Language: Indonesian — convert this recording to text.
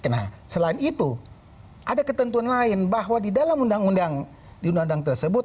nah selain itu ada ketentuan lain bahwa di dalam undang undang tersebut